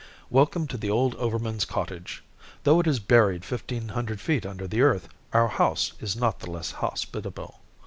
"Welcome to the old overman's cottage! Though it is buried fifteen hundred feet under the earth, our house is not the less hospitable."